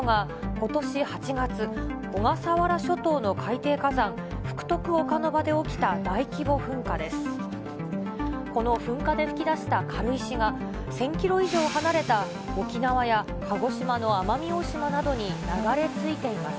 この噴火で噴き出した軽石が１０００キロ以上離れた沖縄や鹿児島の奄美大島などにながれついています。